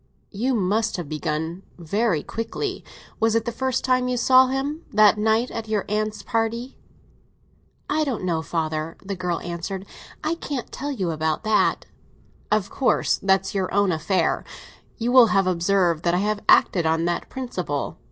"You must have begun very quickly. Was it the first time you saw him—that night at your aunt's party?" "I don't know, father," the girl answered. "I can't tell you about that." "Of course; that's your own affair. You will have observed that I have acted on that principle.